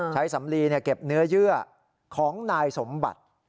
สำลีเก็บเนื้อเยื่อของนายสมบัติ